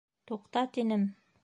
Туҡта, тинем!